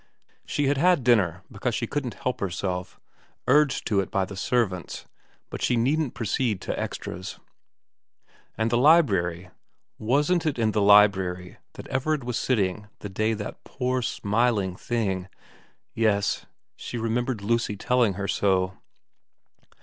She had had dinner because she couldn't help herself, urged to it by the servants, but she needn't proceed to extras. And the library, wasn't it in the library that Everard was sitting the day that poor smiling thing ... yes, she remembered Lucy telling her so.